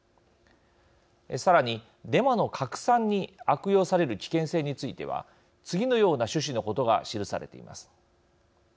さらにデマの拡散に悪用される危険性については次のような趣旨のことが記されています。